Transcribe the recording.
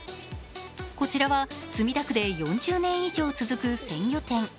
こちらは墨田区で４０年以上続く鮮魚店。